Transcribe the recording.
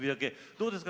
どうですか？